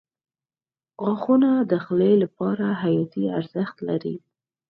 • غاښونه د خولې لپاره حیاتي ارزښت لري.